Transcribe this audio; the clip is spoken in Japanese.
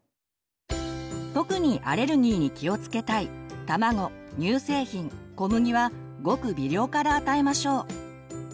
特にアレルギーに気をつけたい卵乳製品小麦はごく微量から与えましょう。